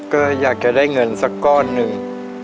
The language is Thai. ก็อยากจะได้เงินสักก้อนหนึ่ง